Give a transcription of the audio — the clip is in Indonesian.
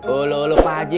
oloh oloh pak ji